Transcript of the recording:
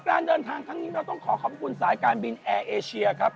การเดินทางครั้งนี้เราต้องขอขอบคุณสายการบินแอร์เอเชียครับ